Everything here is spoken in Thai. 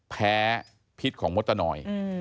แพ้พิฤตของมธนอยด์